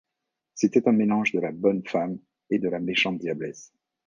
C’était un mélange de la bonne femme et de la méchante diablesse.